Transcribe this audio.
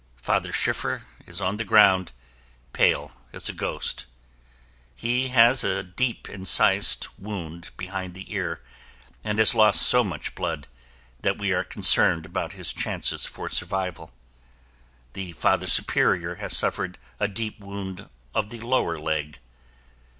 Father Schiffer is on the ground pale as a ghost. He has a deep incised wound behind the ear and has lost so much blood that we are concerned about his chances for survival. The Father Superior has suffered a deep wound of the lower leg.